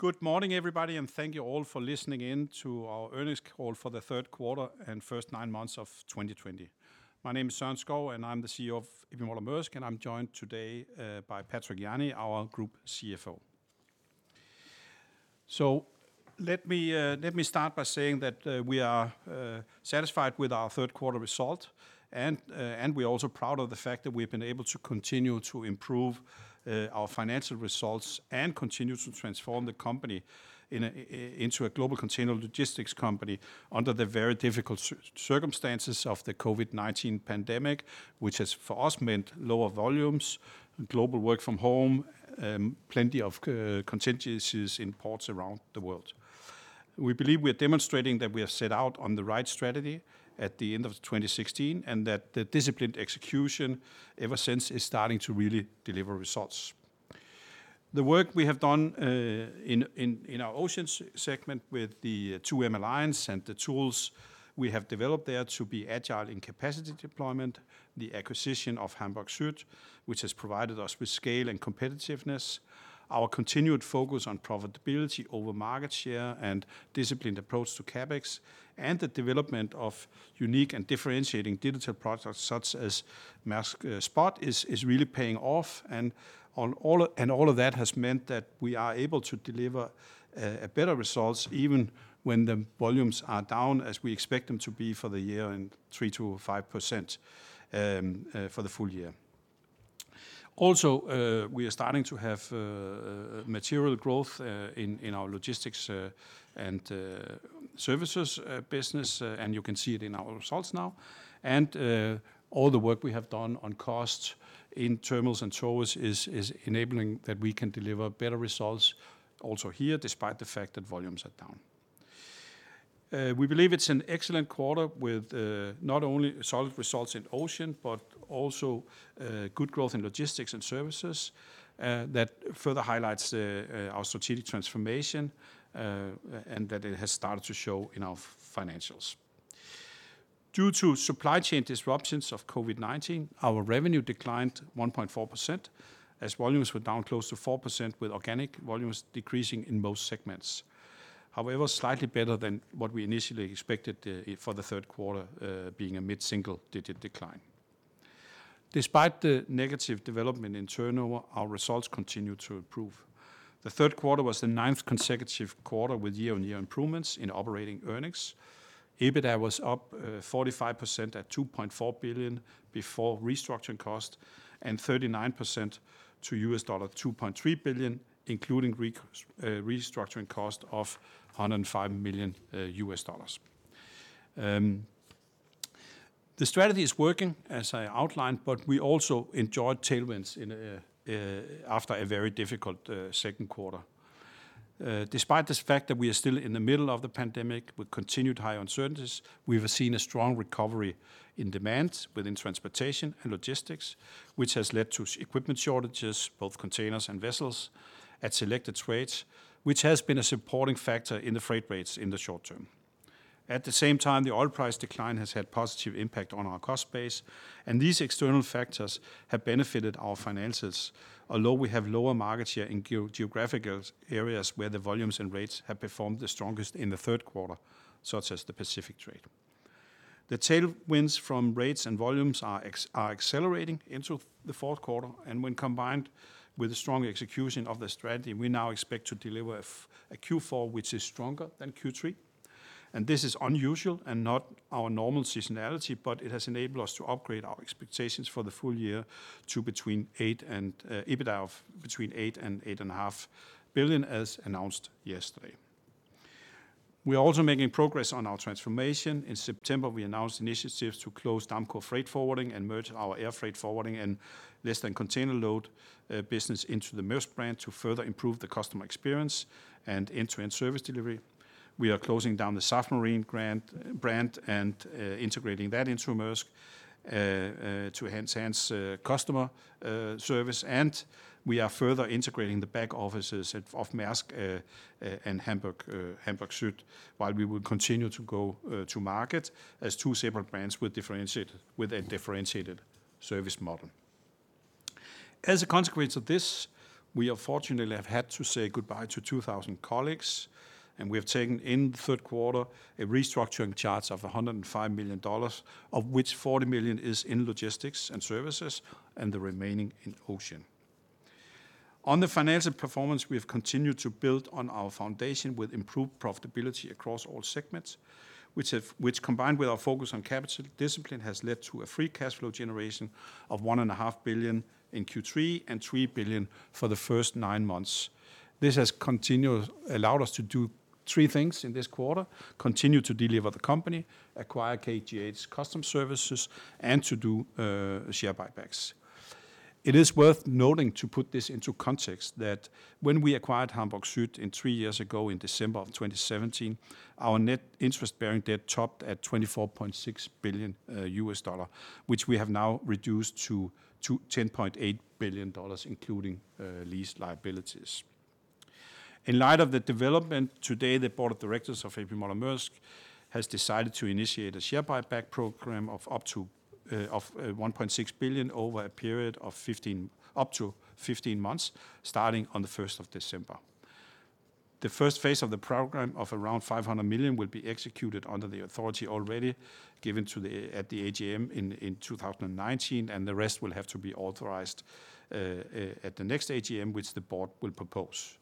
Good morning, everybody, and thank you all for listening in to our earnings call for the third quarter and first nine months of 2020. My name is Søren Skou, and I'm the CEO of A.P. Moller - Maersk, and I'm joined today by Patrick Jany, our Group CFO. Let me start by saying that we are satisfied with our third quarter result, and we are also proud of the fact that we've been able to continue to improve our financial results and continue to transform the company into a global container logistics company under the very difficult circumstances of the COVID-19 pandemic, which has, for us, meant lower volumes, global work from home, plenty of contingencies in ports around the world. We believe we are demonstrating that we have set out on the right strategy at the end of 2016, and that the disciplined execution ever since is starting to really deliver results. The work we have done in our Oceans segment with the 2M Alliance and the tools we have developed there to be agile in capacity deployment, the acquisition of Hamburg Süd, which has provided us with scale and competitiveness, our continued focus on profitability over market share and disciplined approach to CapEx, and the development of unique and differentiating digital products such as Maersk Spot is really paying off, and all of that has meant that we are able to deliver better results even when the volumes are down as we expect them to be for the year in 3%-5% for the full year. We are starting to have material growth in our Logistics & Services business, and you can see it in our results now, and all the work we have done on costs in terminals and shores is enabling that we can deliver better results also here, despite the fact that volumes are down. We believe it's an excellent quarter with not only solid results in Ocean, but also good growth in Logistics & Services that further highlights our strategic transformation, and that it has started to show in our financials. Due to supply chain disruptions of COVID-19, our revenue declined 1.4% as volumes were down close to 4% with organic volumes decreasing in most segments. Slightly better than what we initially expected for the third quarter, being a mid-single digit decline. Despite the negative development in turnover, our results continued to improve. The third quarter was the ninth consecutive quarter with year-on-year improvements in operating earnings. EBITDA was up 45% at $2.4 billion before restructuring cost, and 39% to $2.3 billion, including restructuring cost of $105 million. The strategy is working as I outlined, but we also enjoyed tailwinds after a very difficult second quarter. Despite the fact that we are still in the middle of the pandemic with continued high uncertainties, we've seen a strong recovery in demand within transportation and logistics, which has led to equipment shortages, both containers and vessels, at selected trades, which has been a supporting factor in the freight rates in the short term. At the same time, the oil price decline has had positive impact on our cost base, and these external factors have benefited our finances. Although we have lower market share in geographical areas where the volumes and rates have performed the strongest in the third quarter, such as the Pacific trade. The tailwinds from rates and volumes are accelerating into the fourth quarter, when combined with the strong execution of the strategy, we now expect to deliver a Q4, which is stronger than Q3. This is unusual and not our normal seasonality, but it has enabled us to upgrade our expectations for the full year to an EBITDA of between $8 billion and $8.5 billion as announced yesterday. In September, we announced initiatives to close Damco Freight Forwarding, and merge our Air Freight Forwarding and Less Than Container Load business into the Maersk brand to further improve the customer experience and end-to-end service delivery. We are closing down the Safmarine brand and integrating that into Maersk, to enhance customer service. We are further integrating the back offices of Maersk and Hamburg Süd, while we will continue to go to market as two separate brands with a differentiated service model. A consequence of this, we unfortunately have had to say goodbye to 2,000 colleagues, and we have taken in the third quarter a restructuring charge of $105 million, of which $40 million is in Logistics & Services and the remaining in Ocean. On the financial performance, we have continued to build on our foundation with improved profitability across all segments, which combined with our focus on capital discipline, has led to a free cash flow generation of $1.5 billion in Q3 and $3 billion for the first nine months. This has allowed us to do three things in this quarter. Continue to deliver the company, acquire KGH Customs Services, and to do share buybacks. It is worth noting to put this into context that when we acquired Hamburg Süd in three years ago, in December of 2017, our net interest-bearing debt topped at $24.6 billion, which we have now reduced to $10.8 billion, including lease liabilities. In light of the development today, the board of directors of A.P. Moller - Maersk has decided to initiate a share buyback program of up to $1.6 billion over a period of up to 15 months, starting on the 1st of December. The first phase of the program of around $500 million will be executed under the authority already given at the AGM in 2019, and the rest will have to be authorized at the next AGM, which the board will propose.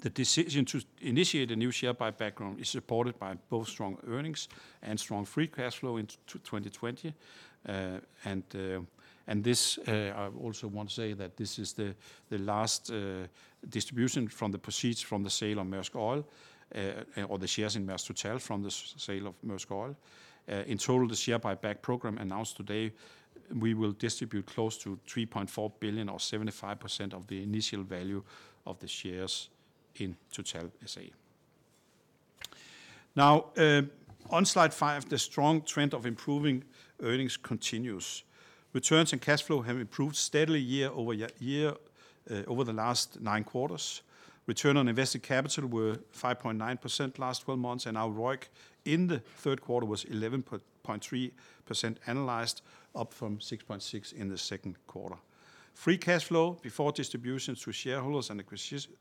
The decision to initiate a new share buyback program is supported by both strong earnings and strong free cash flow in 2020. I also want to say that this is the last distribution from the proceeds from the sale of Maersk Oil, or the shares in Total from the sale of Maersk Oil. In Total, the share buyback program announced today, we will distribute close to $3.4 billion or 75% of the initial value of the shares in Total S.A. Now, on slide five, the strong trend of improving earnings continues. Returns and cash flow have improved steadily year-over-year over the last nine quarters. Return on invested capital were 5.9% last 12 months, and our ROIC in the third quarter was 11.3% annualized, up from 6.6% in the second quarter. Free cash flow before distributions to shareholders and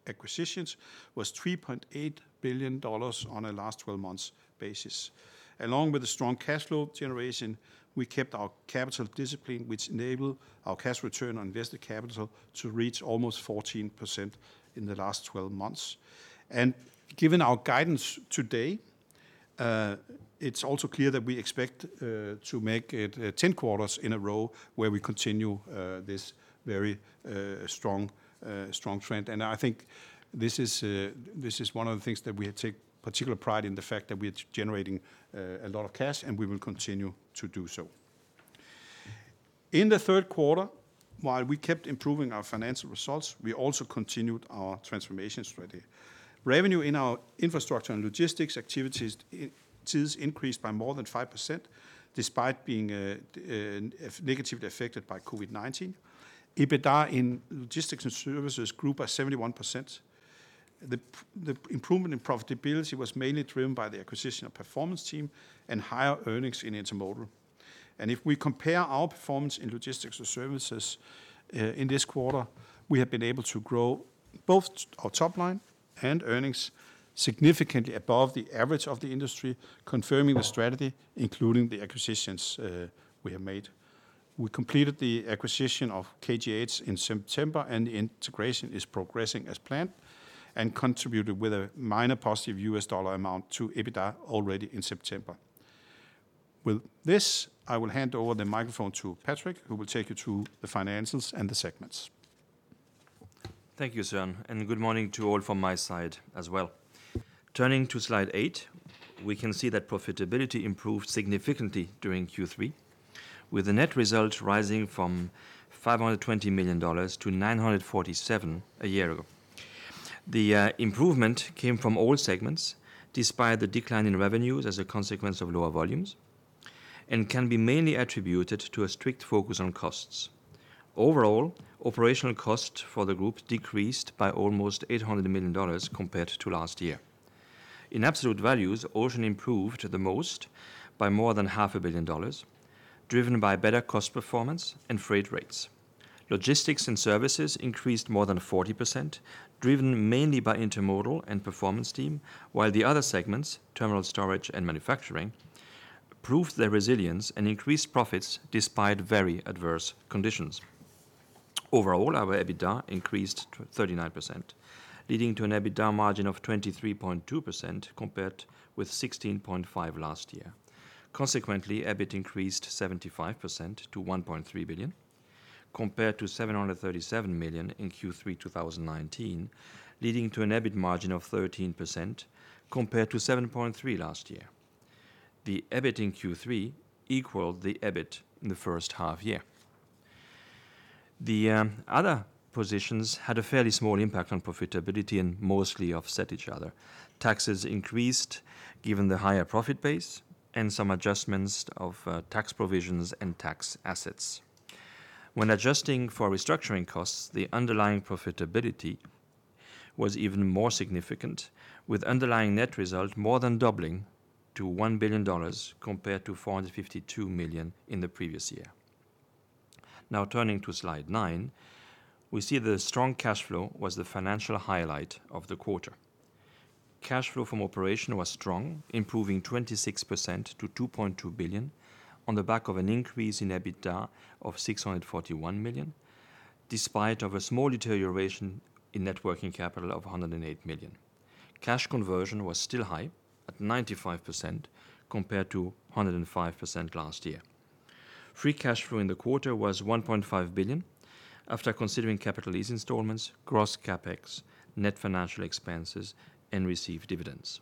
acquisitions was $3.8 billion on a last 12 months basis. Along with the strong cash flow generation, we kept our capital discipline, which enabled our cash return on invested capital to reach almost 14% in the last 12 months. Given our guidance today, it's also clear that we expect to make it 10 quarters in a row where we continue this very strong trend. I think this is one of the things that we take particular pride in, the fact that we are generating a lot of cash, and we will continue to do so. In the third quarter, while we kept improving our financial results, we also continued our transformation strategy. Revenue in our infrastructure and logistics activities increased by more than 5%, despite being negatively affected by COVID-19. EBITDA in Logistics & Services grew by 71%. The improvement in profitability was mainly driven by the acquisition of Performance Team and higher earnings in Intermodal. If we compare our performance in Logistics & Services in this quarter, we have been able to grow both our top line and earnings significantly above the average of the industry, confirming the strategy, including the acquisitions we have made. We completed the acquisition of KGH in September, and the integration is progressing as planned and contributed with a minor positive U.S. dollar amount to EBITDA already in September. With this, I will hand over the microphone to Patrick, who will take you through the financials and the segments. Thank you, Søren. Good morning to all from my side as well. Turning to slide eight, we can see that profitability improved significantly during Q3, with the net result rising from $520 million to $947 million a year ago. The improvement came from all segments, despite the decline in revenues as a consequence of lower volumes, and can be mainly attributed to a strict focus on costs. Overall, operational costs for the group decreased by almost $800 million compared to last year. In absolute values, Ocean improved the most by more than half a billion dollars, driven by better cost performance and freight rates. Logistics & Services increased more than 40%, driven mainly by Intermodal and Performance Team, while the other segments, Terminal & Storage and Manufacturing, proved their resilience and increased profits despite very adverse conditions. Overall, our EBITDA increased 39%, leading to an EBITDA margin of 23.2% compared with 16.5% last year. Consequently, EBIT increased 75% to $1.3 billion, compared to $737 million in Q3 2019, leading to an EBIT margin of 13% compared to 7.3% last year. The EBIT in Q3 equaled the EBIT in the first half year. The other positions had a fairly small impact on profitability and mostly offset each other. Taxes increased given the higher profit base and some adjustments of tax provisions and tax assets. When adjusting for restructuring costs, the underlying profitability was even more significant, with underlying net result more than doubling to $1 billion compared to $452 million in the previous year. Now turning to slide nine, we see the strong cash flow was the financial highlight of the quarter. Cash flow from operation was strong, improving 26% to $2.2 billion on the back of an increase in EBITDA of $641 million, despite a small deterioration in net working capital of $108 million. Cash conversion was still high at 95% compared to 105% last year. Free cash flow in the quarter was $1.5 billion after considering capital lease installments, gross CapEx, net financial expenses, and received dividends.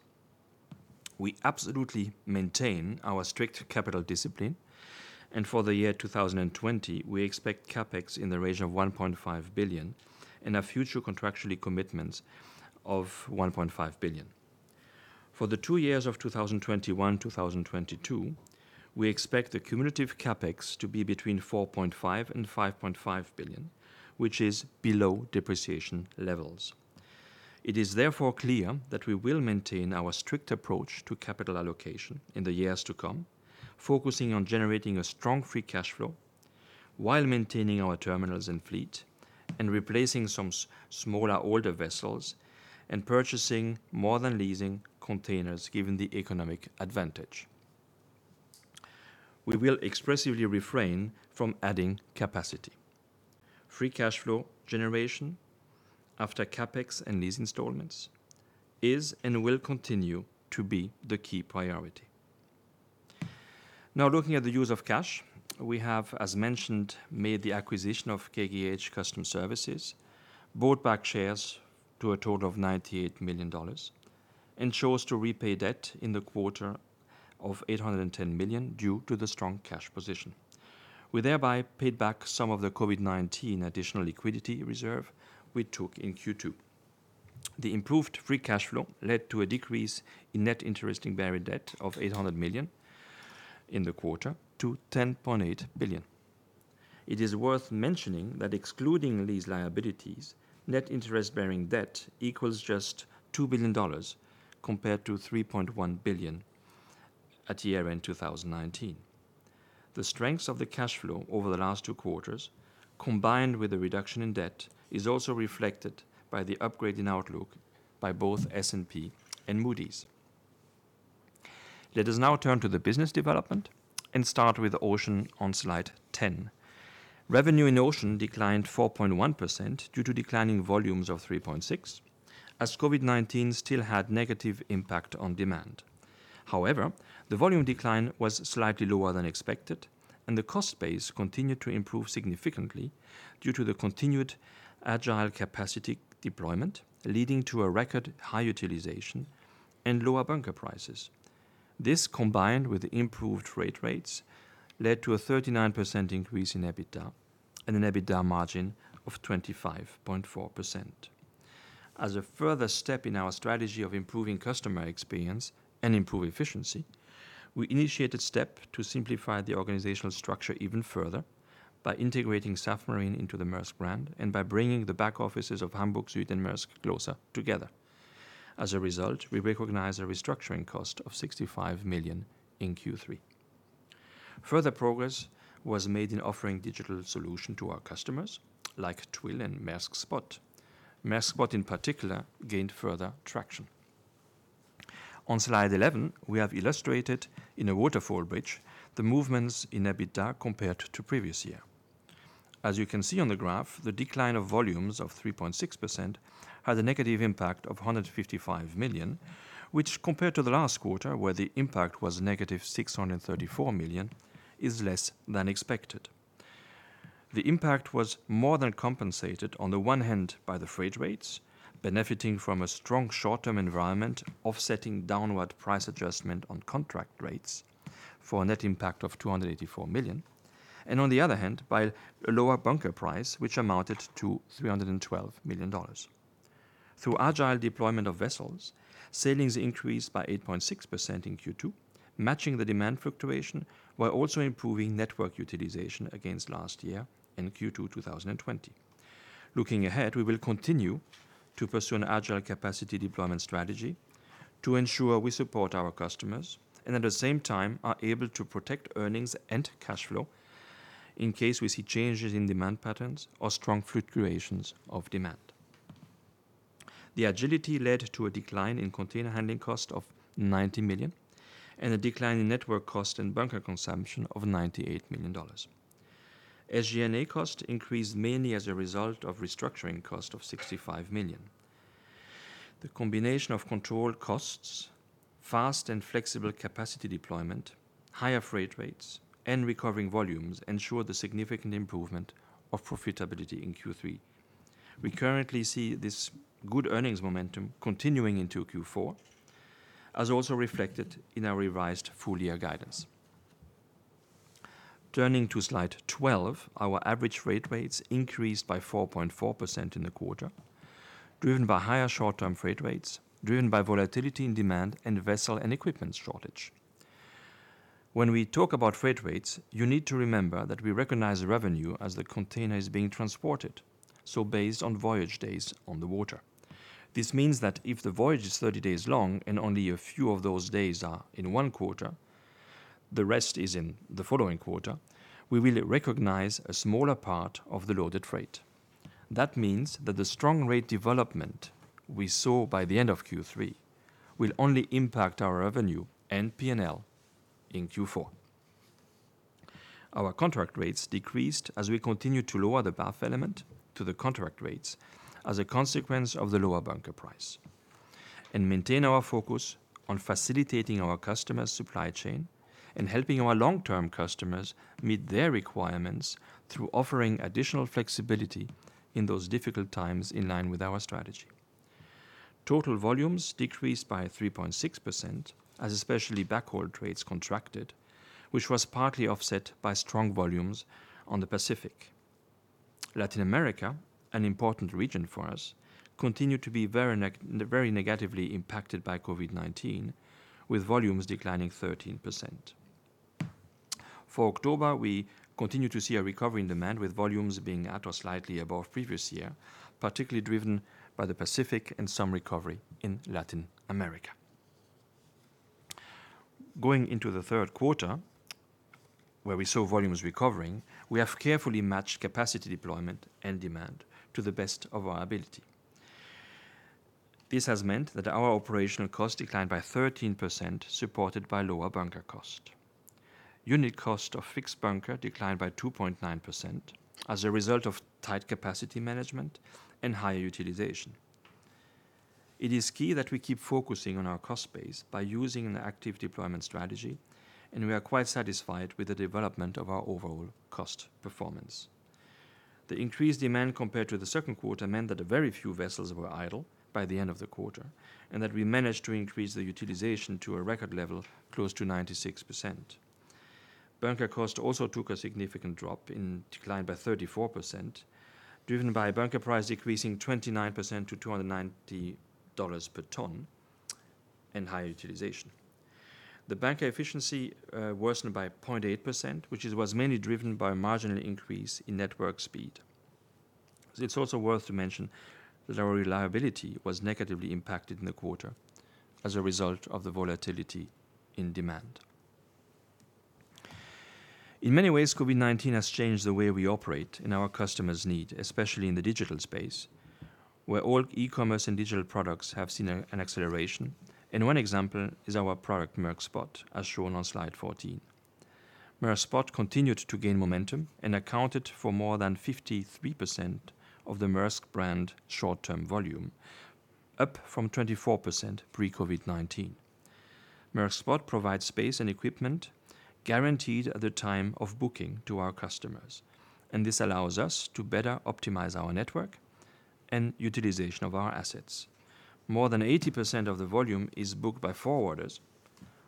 We absolutely maintain our strict capital discipline, for the year 2020, we expect CapEx in the range of $1.5 billion and our future contractual commitments of $1.5 billion. For the two years of 2021, 2022, we expect the cumulative CapEx to be between $4.5 billion and $5.5 billion, which is below depreciation levels. It is therefore clear that we will maintain our strict approach to capital allocation in the years to come, focusing on generating a strong free cash flow while maintaining our terminals and fleet, and replacing some smaller, older vessels, and purchasing more than leasing containers, given the economic advantage. We will expressly refrain from adding capacity. Free cash flow generation after CapEx and lease installments is and will continue to be the key priority. Now, looking at the use of cash, we have, as mentioned, made the acquisition of KGH Customs Services, bought back shares to a total of $98 million, and chose to repay debt in the quarter of $810 million due to the strong cash position. We thereby paid back some of the COVID-19 additional liquidity reserve we took in Q2. The improved free cash flow led to a decrease in net interest-bearing debt of $800 million in the quarter to $10.8 billion. It is worth mentioning that excluding lease liabilities, net interest-bearing debt equals just $2 billion compared to $3.1 billion at year-end 2019. The strength of the cash flow over the last two quarters, combined with a reduction in debt, is also reflected by the upgrade in outlook by both S&P and Moody's. Let us now turn to the business development and start with Ocean on slide 10. Revenue in Ocean declined 4.1% due to declining volumes of 3.6%, as COVID-19 still had negative impact on demand. However, the volume decline was slightly lower than expected, and the cost base continued to improve significantly due to the continued agile capacity deployment, leading to a record high utilization and lower bunker prices. This, combined with improved freight rates, led to a 39% increase in EBITDA and an EBITDA margin of 25.4%. As a further step in our strategy of improving customer experience and improve efficiency, we initiated step to simplify the organizational structure even further by integrating Safmarine into the Maersk brand and by bringing the back offices of Hamburg Süd and Maersk closer together. As a result, we recognize a restructuring cost of $65 million in Q3. Further progress was made in offering digital solution to our customers, like Twill and Maersk Spot. Maersk Spot, in particular, gained further traction. On slide 11, we have illustrated in a waterfall bridge the movements in EBITDA compared to previous year. As you can see on the graph, the decline of volumes of 3.6% had a negative impact of $155 million, which compared to the last quarter, where the impact was -$634 million, is less than expected. The impact was more than compensated, on the one hand, by the freight rates, benefiting from a strong short-term environment, offsetting downward price adjustment on contract rates for a net impact of $284 million, and on the other hand, by a lower bunker price, which amounted to $312 million. Through agile deployment of vessels, sailings increased by 8.6% in Q2, matching the demand fluctuation while also improving network utilization against last year in Q2 2020. Looking ahead, we will continue to pursue an agile capacity deployment strategy to ensure we support our customers and at the same time are able to protect earnings and cash flow in case we see changes in demand patterns or strong fluctuations of demand. The agility led to a decline in container handling cost of $90 million and a decline in network cost and bunker consumption of $98 million. SG&A cost increased mainly as a result of restructuring cost of $65 million. The combination of controlled costs, fast and flexible capacity deployment, higher freight rates, and recovering volumes ensure the significant improvement of profitability in Q3. We currently see this good earnings momentum continuing into Q4, as also reflected in our revised full-year guidance. Turning to slide 12, our average freight rates increased by 4.4% in the quarter, driven by higher short-term freight rates, driven by volatility in demand, and vessel and equipment shortage. When we talk about freight rates, you need to remember that we recognize the revenue as the container is being transported, so based on voyage days on the water. This means that if the voyage is 30 days long and only a few of those days are in one quarter, the rest is in the following quarter, we will recognize a smaller part of the loaded freight. That means that the strong rate development we saw by the end of Q3 will only impact our revenue and P&L in Q4. Our contract rates decreased as we continued to lower the BAF element to the contract rates as a consequence of the lower bunker price and maintain our focus on facilitating our customers' supply chain and helping our long-term customers meet their requirements through offering additional flexibility in those difficult times in line with our strategy. Total volumes decreased by 3.6% as especially backhaul trades contracted, which was partly offset by strong volumes on the Pacific. Latin America, an important region for us, continued to be very negatively impacted by COVID-19, with volumes declining 13%. For October, we continue to see a recovery in demand, with volumes being at or slightly above previous year, particularly driven by the Pacific and some recovery in Latin America. Going into the third quarter, where we saw volumes recovering, we have carefully matched capacity deployment and demand to the best of our ability. This has meant that our operational cost declined by 13%, supported by lower bunker cost. Unit cost of fixed bunker declined by 2.9% as a result of tight capacity management and higher utilization. It is key that we keep focusing on our cost base by using an active deployment strategy, and we are quite satisfied with the development of our overall cost performance. The increased demand compared to the second quarter meant that very few vessels were idle by the end of the quarter, and that we managed to increase the utilization to a record level close to 96%. Bunker cost also took a significant drop and declined by 34%, driven by bunker price decreasing 29% to $290 per ton, and high utilization. The bunker efficiency worsened by 0.8%, which was mainly driven by a marginal increase in network speed. It's also worth to mention that our reliability was negatively impacted in the quarter as a result of the volatility in demand. In many ways, COVID-19 has changed the way we operate and our customers' needs, especially in the digital space, where all e-commerce and digital products have seen an acceleration, and one example is our product Maersk Spot, as shown on slide 14. Maersk Spot continued to gain momentum and accounted for more than 53% of the Maersk brand short-term volume, up from 24% pre-COVID-19. Maersk Spot provides space and equipment guaranteed at the time of booking to our customers, and this allows us to better optimize our network and utilization of our assets. More than 80% of the volume is booked by forwarders,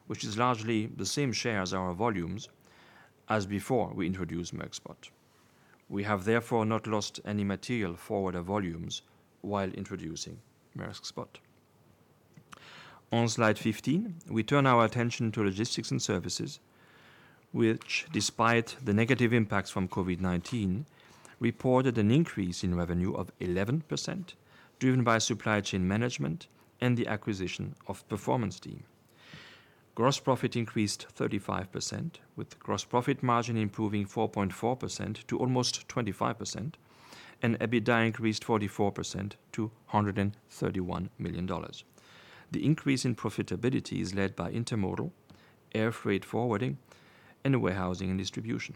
which is largely the same share as our volumes as before we introduced Maersk Spot. We have therefore not lost any material forwarder volumes while introducing Maersk Spot. On slide 15, we turn our attention to Logistics & Services, which despite the negative impacts from COVID-19, reported an increase in revenue of 11%, driven by supply chain management and the acquisition of Performance Team. Gross profit increased 35%, with gross profit margin improving 4.4% to almost 25%, and EBITDA increased 44% to $131 million. The increase in profitability is led by Intermodal, Air Freight Forwarding, and warehousing and distribution.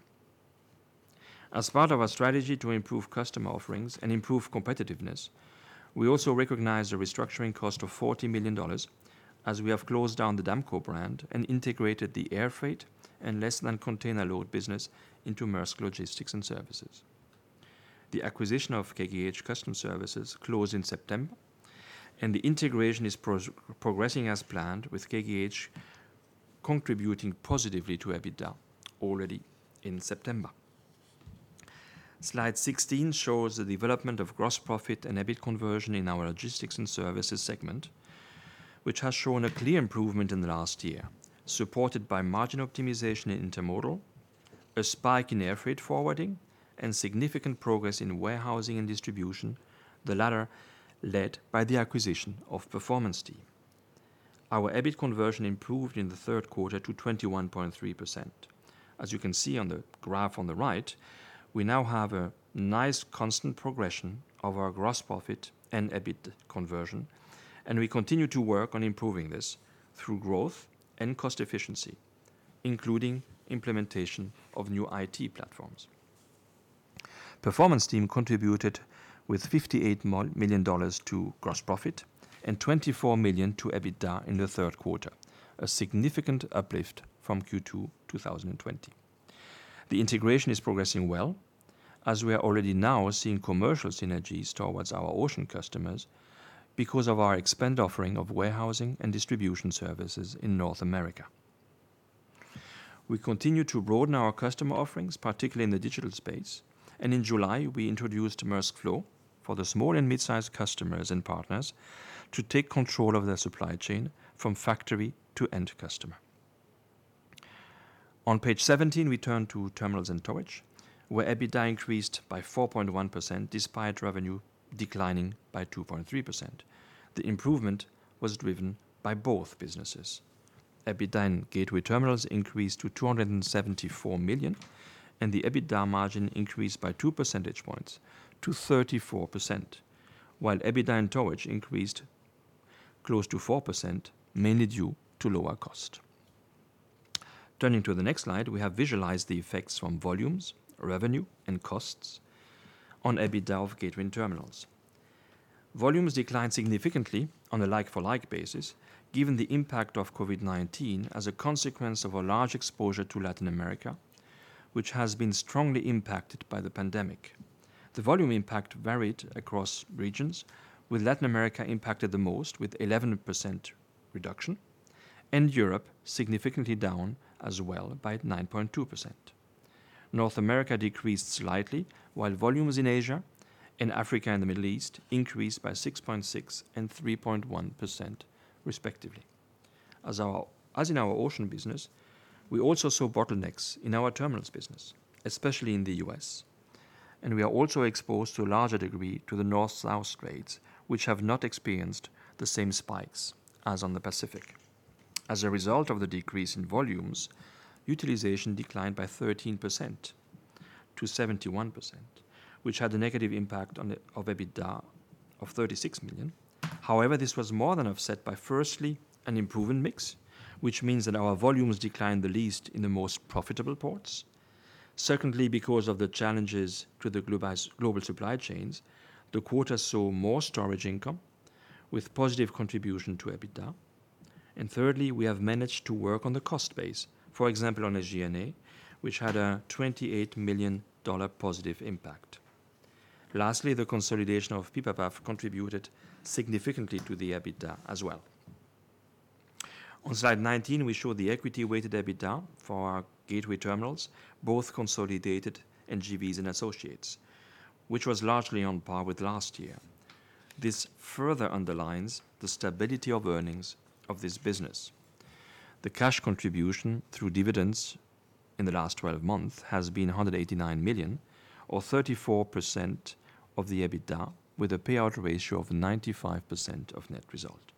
As part of our strategy to improve customer offerings and improve competitiveness, we also recognize the restructuring cost of $40 million as we have closed down the Damco brand and integrated the Air Freight and Less Than Container Load business into Maersk Logistics & Services. The acquisition of KGH Customs Services closed in September, and the integration is progressing as planned, with KGH contributing positively to EBITDA already in September. Slide 16 shows the development of gross profit and EBIT conversion in our Logistics & Services segment, which has shown a clear improvement in the last year, supported by margin optimization in Intermodal, a spike in Air Freight Forwarding, and significant progress in warehousing and distribution, the latter led by the acquisition of Performance Team. Our EBIT conversion improved in the third quarter to 21.3%. As you can see on the graph on the right, we now have a nice constant progression of our gross profit and EBIT conversion, and we continue to work on improving this through growth and cost efficiency, including implementation of new IT platforms. Performance Team contributed with $58 million to gross profit and $24 million to EBITDA in the third quarter, a significant uplift from Q2 2020. The integration is progressing well, as we are already now seeing commercial synergies towards our Ocean customers because of our expanded offering of warehousing and distribution services in North America. We continue to broaden our customer offerings, particularly in the digital space, and in July, we introduced Maersk Flow for the small and mid-sized customers and partners to take control of their supply chain from factory to end customer. On page 17, we turn to terminals and towage, where EBITDA increased by 4.1%, despite revenue declining by 2.3%. The improvement was driven by both businesses. EBITDA in Gateway Terminals increased to $274 million, and the EBITDA margin increased by two percentage points to 34%, while EBITDA in towage increased close to 4%, mainly due to lower cost. Turning to the next slide, we have visualized the effects from volumes, revenue, and costs on EBITDA of Gateway Terminals. Volumes declined significantly on a like-for-like basis, given the impact of COVID-19 as a consequence of a large exposure to Latin America, which has been strongly impacted by the pandemic. The volume impact varied across regions, with Latin America impacted the most, with 11% reduction, and Europe significantly down as well by 9.2%. North America decreased slightly, while volumes in Asia and Africa and the Middle East increased by 6.6% and 3.1% respectively. As in our Ocean business, we also saw bottlenecks in our Terminals business, especially in the U.S. We are also exposed to a larger degree to the north-south trades, which have not experienced the same spikes as on the Pacific. As a result of the decrease in volumes, utilization declined by 13% to 71%, which had a negative impact of EBITDA of $36 million. However, this was more than offset by firstly, an improvement mix, which means that our volumes declined the least in the most profitable ports. Secondly, because of the challenges to the global supply chains, the quarter saw more storage income with positive contribution to EBITDA. Thirdly, we have managed to work on the cost base, for example, on a G&A, which had a $28 million positive impact. Lastly, the consolidation of Pipavav contributed significantly to the EBITDA as well. On slide 19, we show the equity weighted EBITDA for our Gateway Terminals, both consolidated and JVs and associates, which was largely on par with last year. This further underlines the stability of earnings of this business. The cash contribution through dividends in the last 12 months has been $189 million or 34% of the EBITDA, with a payout ratio of 95% of net result.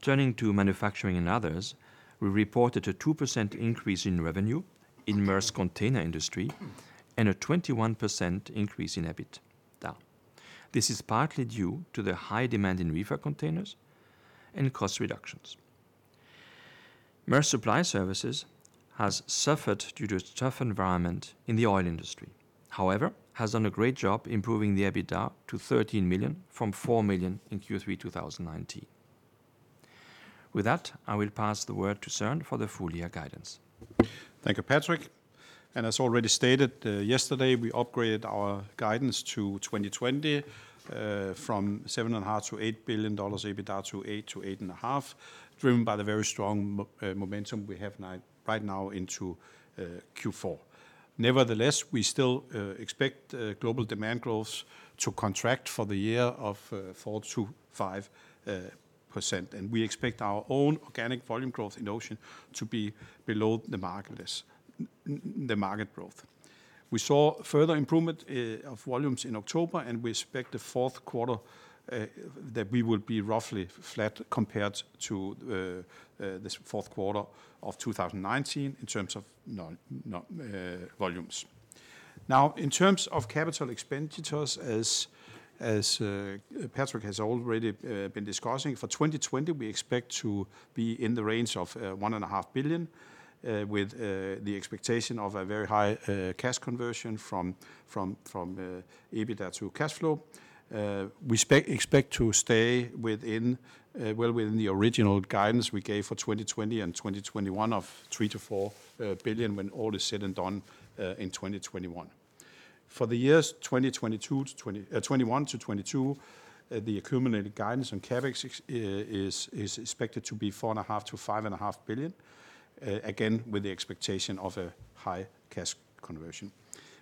Turning to manufacturing and others, we reported a 2% increase in revenue in Maersk Container Industry, and a 21% increase in EBITDA. This is partly due to the high demand in reefer containers and cost reductions. Maersk Supply Services has suffered due to a tough environment in the oil industry. However, has done a great job improving the EBITDA to $13 million from $4 million in Q3 2019. With that, I will pass the word to Søren for the full year guidance. Thank you, Patrick. As already stated yesterday, we upgraded our guidance to 2020, from $7.5 billion-$8 billion EBITDA to $8 billion-$8.5 billion, driven by the very strong momentum we have right now into Q4. Nevertheless, we still expect global demand growth to contract for the year of 4%-5%. We expect our own organic volume growth in Ocean to be below the market growth. We saw further improvement of volumes in October, and we expect the fourth quarter that we will be roughly flat compared to this fourth quarter of 2019 in terms of volumes. Now, in terms of capital expenditures, as Patrick has already been discussing, for 2020, we expect to be in the range of $1.5 billion, with the expectation of a very high cash conversion from EBITDA to cash flow. We expect to stay well within the original guidance we gave for 2020 and 2021 of $3 billion-$4 billion when all is said and done in 2021. For the years 2021 to 2022, the accumulated guidance on CapEx is expected to be $4.5 billion-$5.5 billion, again, with the expectation of a high cash conversion.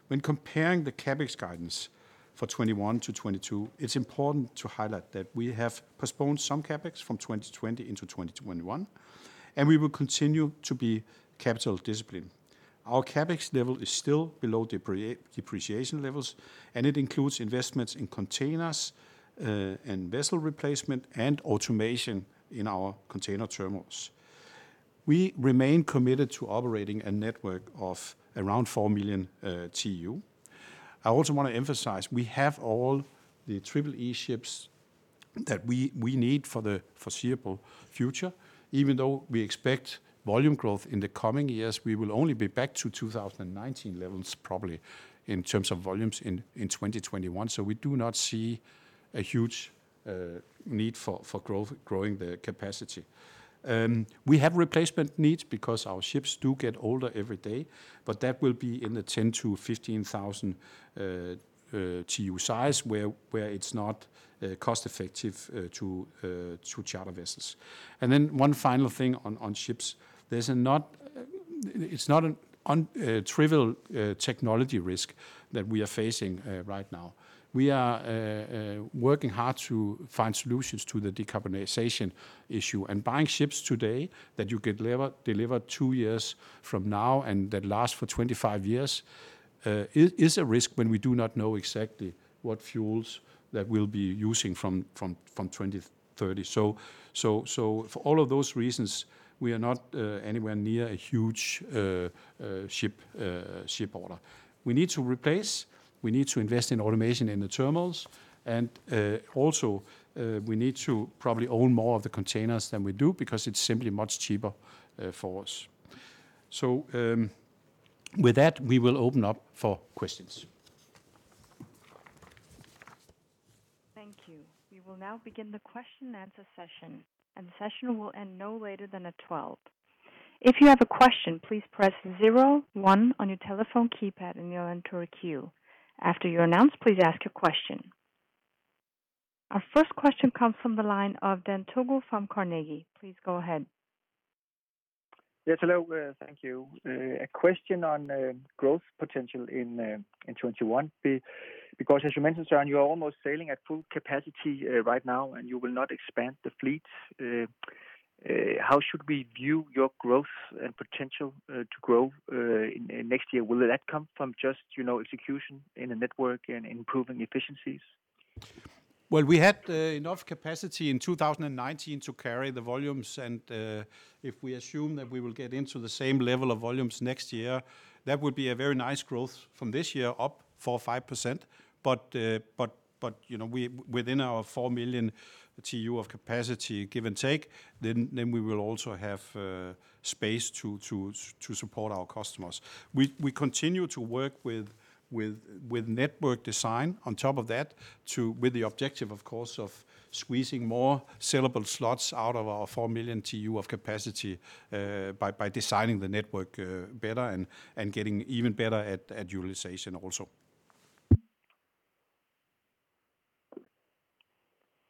When comparing the CapEx guidance for 2021 to 2022, it's important to highlight that we have postponed some CapEx from 2020 into 2021, and we will continue to be capital disciplined. Our CapEx level is still below depreciation levels, and it includes investments in containers, and vessel replacement, and automation in our container terminals. We remain committed to operating a network of around 4 million TEU. I also want to emphasize, we have all the Triple-E ships that we need for the foreseeable future. Even though we expect volume growth in the coming years, we will only be back to 2019 levels probably in terms of volumes in 2021. We do not see a huge need for growing the capacity. We have replacement needs because our ships do get older every day, but that will be in the 10,000-15,000 TEU size where it's not cost effective to charter vessels. One final thing on ships. It's not a trivial technology risk that we are facing right now. We are working hard to find solutions to the decarbonization issue. Buying ships today that you get delivered two years from now and that last for 25 years, is a risk when we do not know exactly what fuels that we'll be using from 2030. For all of those reasons, we are not anywhere near a huge ship order. We need to invest in automation in the terminals, and also, we need to probably own more of the containers than we do because it's simply much cheaper for us. With that, we will open up for questions. Thank you. We will now begin the question and answer session, and the session will end no later than at 12:00 P.M. If you have a question please press zero one on your telephone keypad. After you are announced please ask your question. Our first question comes from the line of Dan Togo from Carnegie. Please go ahead. Yes, hello. Thank you. A question on growth potential in 2021, because as you mentioned, Søren, you're almost sailing at full capacity right now, and you will not expand the fleets. How should we view your growth and potential to grow in next year? Will that come from just execution in the network and improving efficiencies? Well, we had enough capacity in 2019 to carry the volumes, and if we assume that we will get into the same level of volumes next year, that would be a very nice growth from this year up 4%-5%. Within our 4 million TEU of capacity, give and take, then we will also have space to support our customers. We continue to work with network design on top of that, with the objective, of course, of squeezing more sellable slots out of our 4 million TEU of capacity by designing the network better and getting even better at utilization also.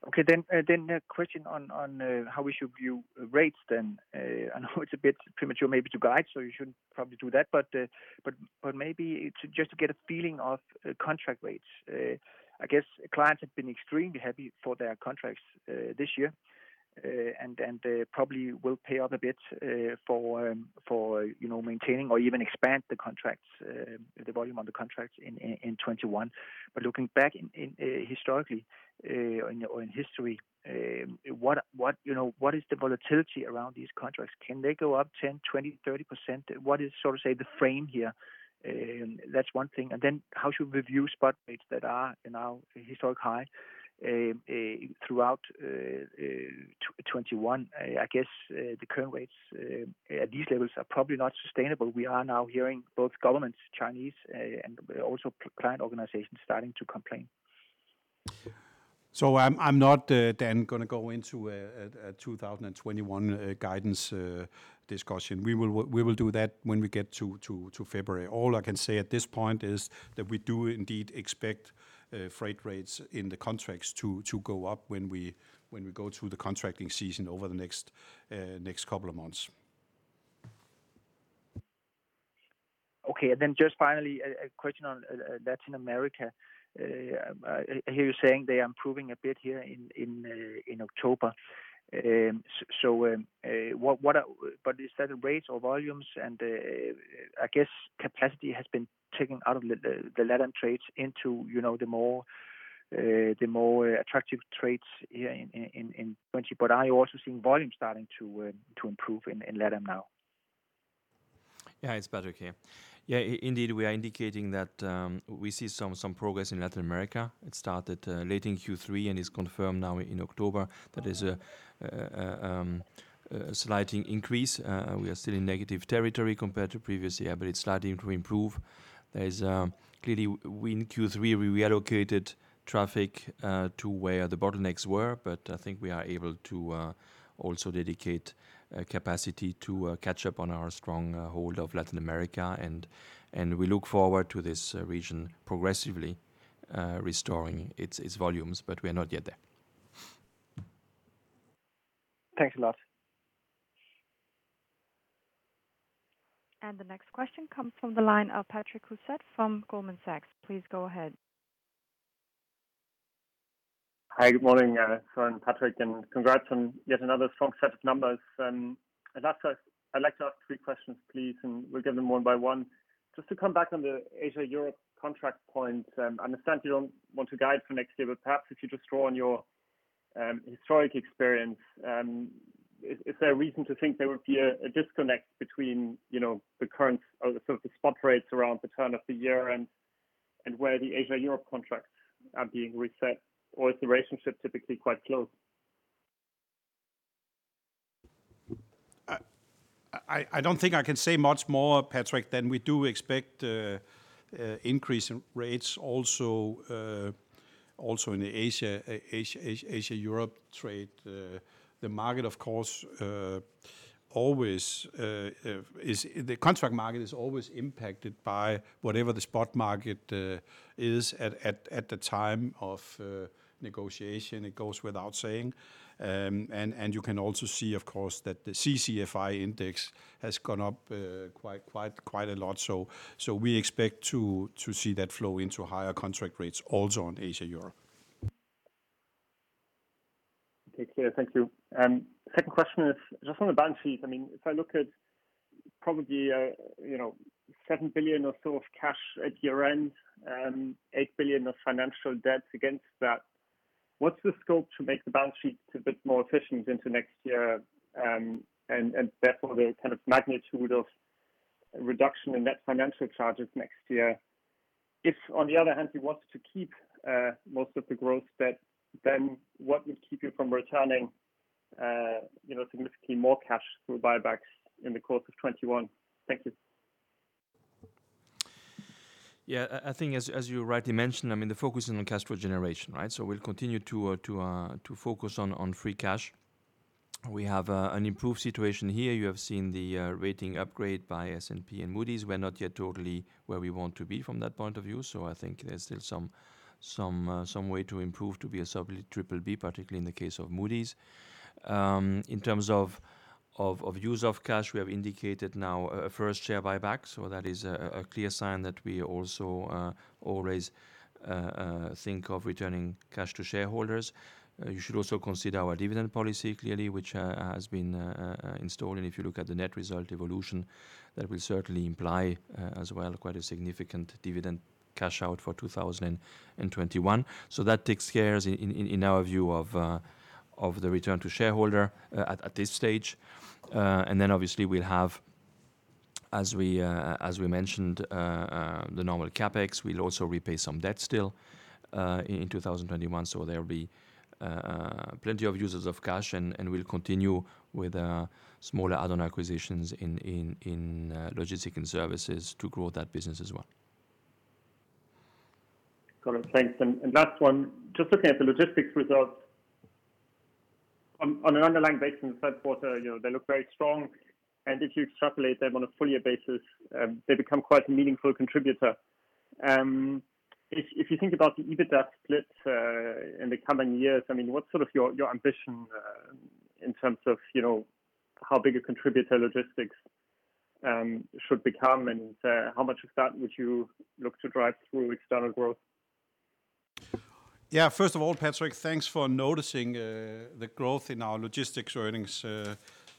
Okay. A question on how we should view rates then. I know it's a bit premature maybe to guide, you shouldn't probably do that, but maybe just to get a feeling of contract rates. I guess clients have been extremely happy for their contracts this year. They probably will pay up a bit for maintaining or even expand the volume on the contracts in 2021. Looking back historically, or in history, what is the volatility around these contracts? Can they go up 10%, 20%, or 30%? What is, so to say, the frame here? That's one thing. How should we view spot rates that are now historic high throughout 2021? I guess the current rates at these levels are probably not sustainable. We are now hearing both governments, Chinese and also client organizations starting to complain. I'm not, Dan, going to go into a 2021 guidance discussion. We will do that when we get to February. All I can say at this point is that we do indeed expect freight rates in the contracts to go up when we go through the contracting season over the next couple of months. Okay. Just finally, a question on Latin America. I hear you saying they are improving a bit here in October. Is that rates or volumes? I guess capacity has been taken out of the LATAM trades into the more attractive trades in 2020. Are you also seeing volumes starting to improve in LATAM now? Yeah. It's Patrick here. Yeah, indeed, we are indicating that we see some progress in Latin America. It started late in Q3 and is confirmed now in October. That is a slight increase. We are still in negative territory compared to previous year, but it's starting to improve. Clearly in Q3, we allocated traffic to where the bottlenecks were, but I think we are able to also dedicate capacity to catch up on our strong hold of Latin America. We look forward to this region progressively restoring its volumes, but we are not yet there. Thanks a lot. The next question comes from the line of Patrick Rousset from Goldman Sachs. Please go ahead. Hi. Good morning. It's Patrick, and congrats on yet another strong set of numbers. I'd like to ask three questions, please, and we'll give them one by one. Just to come back on the Asia-Europe contract point. I understand you don't want to guide for next year, but perhaps if you just draw on your historic experience, is there a reason to think there would be a disconnect between the current spot rates around the turn of the year and where the Asia-Europe contracts are being reset? Is the relationship typically quite close? I don't think I can say much more, Patrick, than we do expect increase in rates also in the Asia-Europe trade. The contract market is always impacted by whatever the spot market is at the time of negotiation, it goes without saying. You can also see, of course, that the CCFI index has gone up quite a lot. We expect to see that flow into higher contract rates also on Asia-Europe. Okay. Clear. Thank you. Second question is just on the balance sheet. If I look at probably $7 billion or so of cash at year-end, $8 billion of financial debt against that, what's the scope to make the balance sheet a bit more efficient into next year? Therefore, the magnitude of reduction in net financial charges next year. If on the other hand, you want to keep most of the gross debt, then what would keep you from returning significantly more cash through buybacks in the course of 2021? Thank you. Yeah. I think as you rightly mentioned, the focus is on cash flow generation, right? We'll continue to focus on free cash. We have an improved situation here. You have seen the rating upgrade by S&P and Moody's. We're not yet totally where we want to be from that point of view, so I think there's still some way to improve to be a solid BBB, particularly in the case of Moody's. In terms of use of cash, we have indicated now a first share buyback. That is a clear sign that we also always think of returning cash to shareholders. You should also consider our dividend policy clearly, which has been installed, and if you look at the net result evolution, that will certainly imply as well quite a significant dividend cash out for 2021. That takes care, in our view, of the return to shareholder at this stage. Obviously we'll have, as we mentioned, the normal CapEx. We'll also repay some debt still in 2021. There'll be plenty of users of cash, and we'll continue with smaller add-on acquisitions in Logistics & Services to grow that business as well. Got it. Thanks. Last one, just looking at the logistics results. On an underlying basis in the third quarter, they look very strong, and if you extrapolate them on a full year basis, they become quite a meaningful contributor. If you think about the EBITDA splits in the coming years, what's your ambition in terms of how big a contributor logistics should become, and how much of that would you look to drive through external growth? First of all, Patrick, thanks for noticing the growth in our logistics earnings.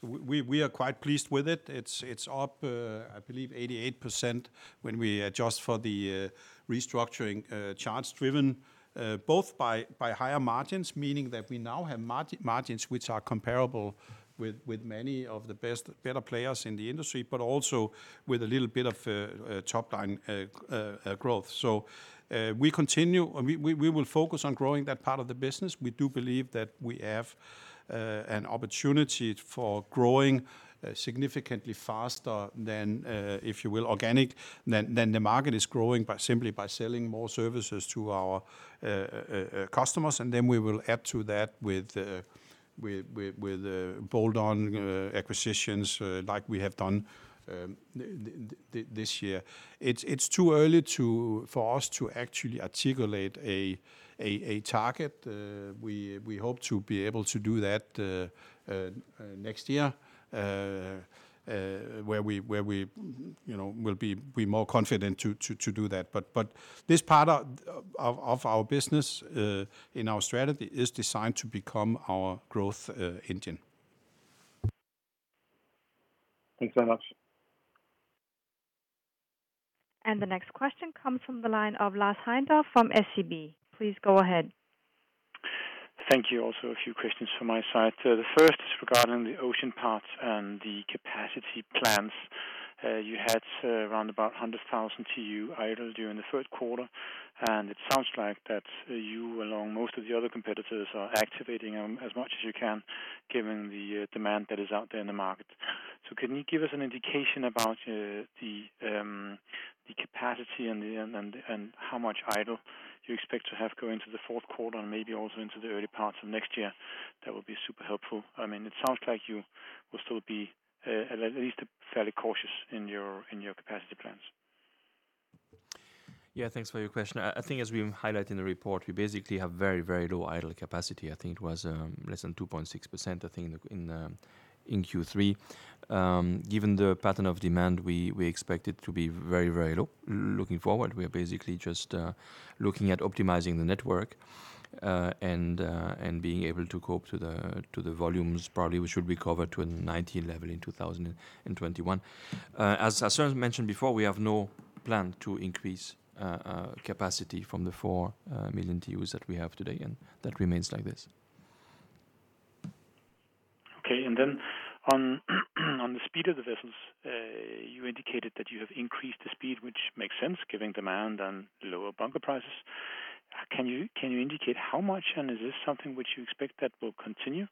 We are quite pleased with it. It's up, I believe 88%, when we adjust for the restructuring charge, driven both by higher margins, meaning that we now have margins which are comparable with many of the better players in the industry, but also with a little bit of top-line growth. We will focus on growing that part of the business. We do believe that we have an opportunity for growing significantly faster than, if you will, organic, than the market is growing by simply by selling more services to our customers. We will add to that with bolt-on acquisitions, like we have done this year. It's too early for us to actually articulate a target. We hope to be able to do that next year, where we'll be more confident to do that. This part of our business in our strategy is designed to become our growth engine. Thanks very much. The next question comes from the line of Lars Heindorff from SEB. Please go ahead. Thank you. A few questions from my side. The first is regarding the Ocean parts and the capacity plans. You had around about 100,000 TEU idle during the third quarter, and it sounds like that you, along most of the other competitors, are activating them as much as you can given the demand that is out there in the market. Can you give us an indication about the capacity and how much idle you expect to have going into the fourth quarter and maybe also into the early parts of next year? That would be super helpful. It sounds like you will still be at least fairly cautious in your capacity plans. Yeah. Thanks for your question. I think as we highlight in the report, we basically have very, very low idle capacity. I think it was less than 2.6% in Q3. Given the pattern of demand, we expect it to be very, very low. Looking forward, we are basically just looking at optimizing the network, and being able to cope to the volumes probably which will recover to a 2019 level in 2021. As Søren mentioned before, we have no plan to increase capacity from the 4 million TEUs that we have today, and that remains like this. Okay. On the speed of the vessels, you indicated that you have increased the speed, which makes sense given demand and lower bunker prices. Can you indicate how much, and is this something which you expect that will continue?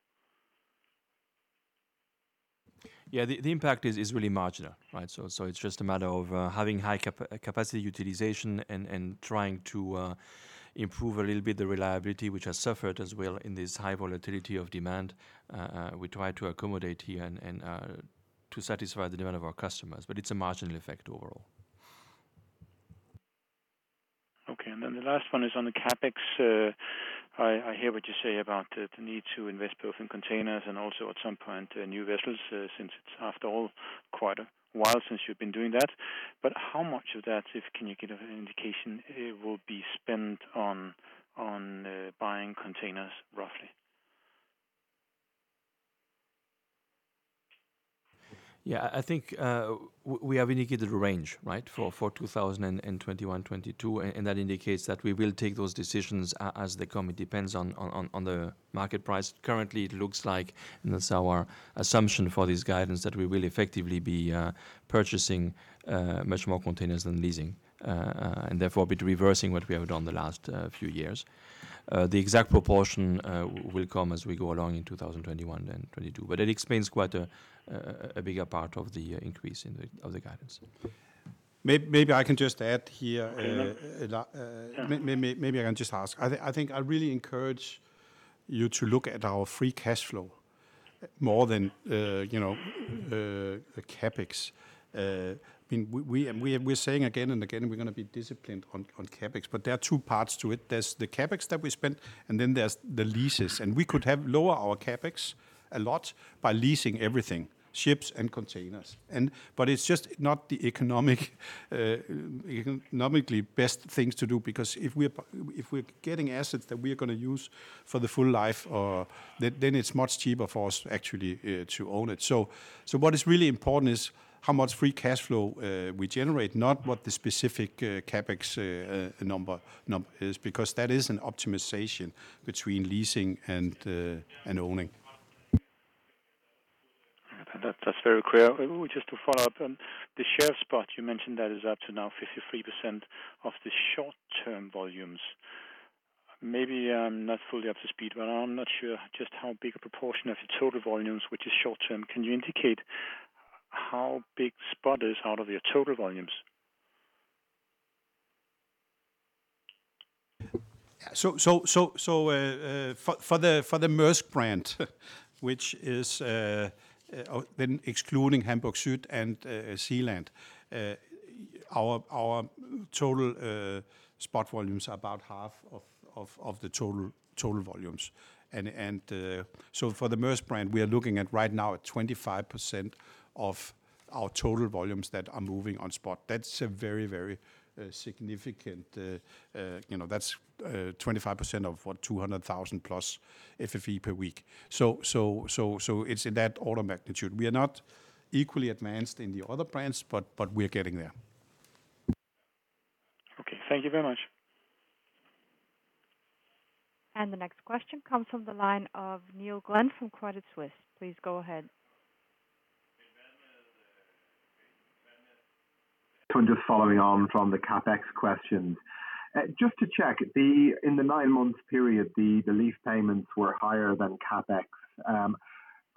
Yeah, the impact is really marginal, right? It's just a matter of having high capacity utilization and trying to improve a little bit the reliability which has suffered as well in this high volatility of demand. We try to accommodate here and to satisfy the demand of our customers, but it's a marginal effect overall. Okay. Then the last one is on the CapEx. I hear what you say about the need to invest both in containers and also at some point new vessels, since it's after all quite a while since you've been doing that. How much of that, if you can you give an indication, will be spent on buying containers roughly? Yeah, I think we have indicated a range for 2021, 2022, and that indicates that we will take those decisions as they come. It depends on the market price. Currently, it looks like, and that's our assumption for this guidance, that we will effectively be purchasing much more containers than leasing, and therefore be reversing what we have done the last few years. The exact proportion will come as we go along in 2021 and 2022, but it explains quite a bigger part of the increase of the guidance. Maybe I can just add here. Maybe I can just ask. I think I really encourage you to look at our free cash flow more than the CapEx. We're saying again and again, we're going to be disciplined on CapEx, but there are two parts to it. There's the CapEx that we spend, and then there's the leases. We could lower our CapEx a lot by leasing everything, ships and containers. It's just not the economically best thing to do, because if we're getting assets that we are going to use for the full life, then it's much cheaper for us actually to own it. What is really important is how much free cash flow we generate, not what the specific CapEx number is, because that is an optimization between leasing and owning. That's very clear. Just to follow up, the Maersk Spot you mentioned that is up to now 53% of the short-term volumes. Maybe I'm not fully up to speed, but I'm not sure just how big a proportion of the total volumes, which is short term. Can you indicate how big spot is out of your total volumes? For the Maersk brand, which is excluding Hamburg Süd and Sealand, our total spot volumes are about half of the total volumes. For the Maersk brand, we are looking at right now at 25% of our total volumes that are moving on spot. That's very significant. That's 25% of what, 200,000+ FEU per week. It's in that order of magnitude. We are not equally advanced in the other brands, but we're getting there. Okay. Thank you very much. The next question comes from the line of Neil Glynn from Credit Suisse. Please go ahead. I'm just following on from the CapEx questions. Just to check, in the nine-month period, the lease payments were higher than CapEx.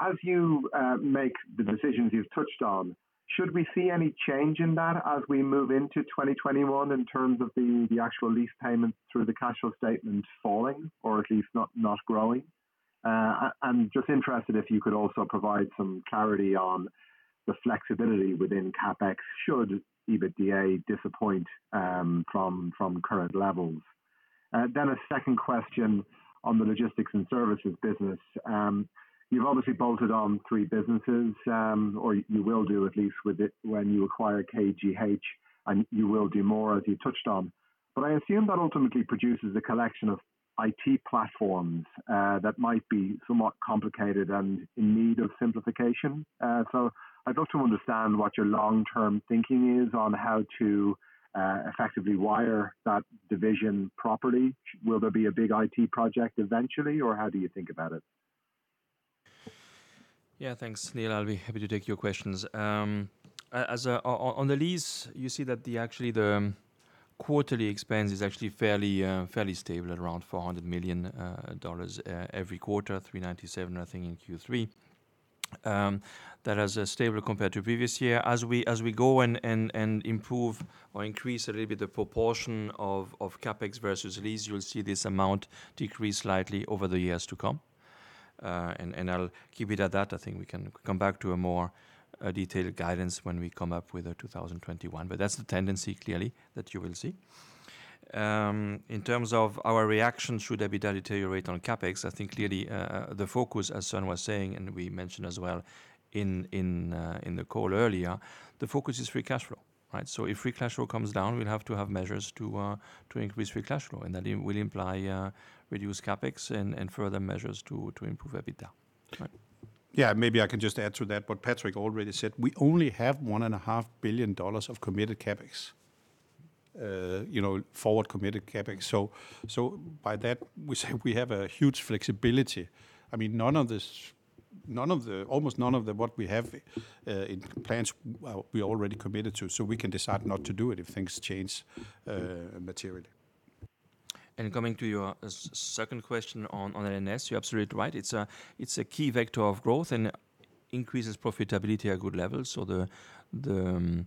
As you make the decisions you've touched on, should we see any change in that as we move into 2021 in terms of the actual lease payments through the cash flow statement falling or at least not growing? I'm just interested if you could also provide some clarity on the flexibility within CapEx should EBITDA disappoint from current levels. A second question on the Logistics & Services business. You've obviously bolted on three businesses, or you will do at least when you acquire KGH, and you will do more as you touched on. I assume that ultimately produces a collection of IT platforms that might be somewhat complicated and in need of simplification. I'd love to understand what your long-term thinking is on how to effectively wire that division properly. Will there be a big IT project eventually, or how do you think about it? Yeah, thanks, Neil. I'll be happy to take your questions. On the lease, you see that actually the quarterly expense is actually fairly stable at around $400 million every quarter, $397 million, I think, in Q3. That is stable compared to previous year. As we go and improve or increase a little bit the proportion of CapEx versus lease, you'll see this amount decrease slightly over the years to come. I'll keep it at that. I think we can come back to a more detailed guidance when we come up with our 2021. That's the tendency, clearly, that you will see. In terms of our reaction should EBITDA deteriorate on CapEx, I think clearly the focus, as Søren was saying, and we mentioned as well in the call earlier, the focus is free cash flow, right? If free cash flow comes down, we'll have to have measures to increase free cash flow, and that will imply reduced CapEx and further measures to improve EBITDA. Yeah, maybe I can just add to that what Patrick already said. We only have $1.5 billion of committed CapEx, forward committed CapEx. By that, we say we have a huge flexibility. Almost none of what we have in plans we already committed to, we can decide not to do it if things change materially. Coming to your second question on L&S, you're absolutely right. It's a key vector of growth and increases profitability at good levels. The